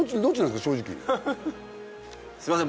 すいません